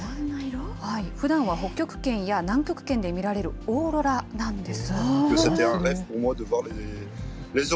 ふだんは北極圏や南極圏で見られるオーロラなんです。